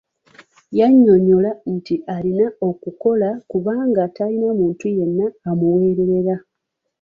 Yannyonnyola nti alina okukola kubanga talina muntu yenna amuweerera.